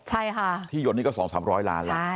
ใช่ค่ะ